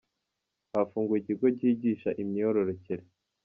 Hafunguwe ikigo cyigisha imyororokere